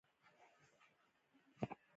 آیا د جامو په جوړولو کې د انجینر کار شته